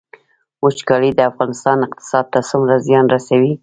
وچکالي د افغانستان اقتصاد ته څومره زیان رسوي؟